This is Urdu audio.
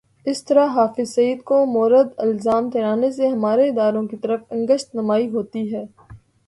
اس طرح حافظ سعید کو مورد الزام ٹھہرانے سے ہمارے اداروں کی طرف انگشت نمائی ہوتی ہے۔